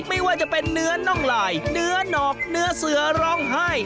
ไม่ว่าจะเป็นเนื้อน่องลายเนื้อหนอกเนื้อเสือร้องไห้